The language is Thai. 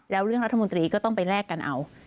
แล้วเรื่องรัฐมนตรีก็ต้องไปแลกกันเอา